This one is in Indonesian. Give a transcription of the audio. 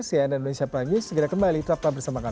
saya andra indonesia plangis segera kembali tetap bersama kami